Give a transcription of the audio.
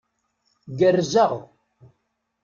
Gerrzeɣ.